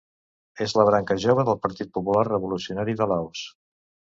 És la branca jove del Partit Popular Revolucionari de Laos.